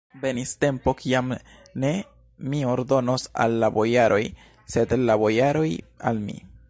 Venis tempo, kiam ne mi ordonos al la bojaroj, sed la bojaroj al mi!